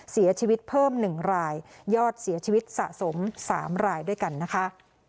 เสียชีวิตเพิ่ม๑รายยอดเสียชีวิตสะสม๓รายด้วยกันนะคะ